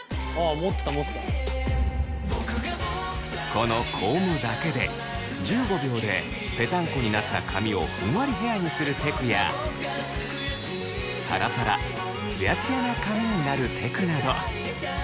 このコームだけで１５秒でぺたんこになった髪をふんわりヘアにするテクやサラサラツヤツヤな髪になるテクなど。